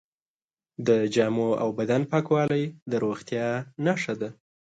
د جامو او بدن پاکوالی د روغتیا نښه ده.